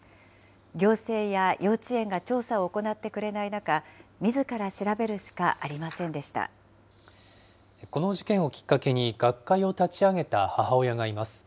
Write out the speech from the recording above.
行政や幼稚園が調査を行ってくれない中、みずから調べるしかありこの事件をきっかけに、学会を立ち上げた母親がいます。